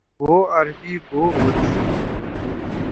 گھو عربی گھو ہودی۔